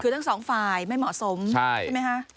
คือทั้งสองฝ่ายไม่เหมาะสมใช่ไหมคะ